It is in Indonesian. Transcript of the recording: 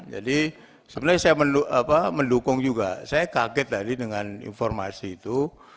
jadi sebenarnya saya mendukung juga saya kaget tadi dengan informasi itu